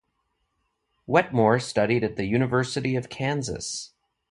Wetmore studied at the University of Kansas.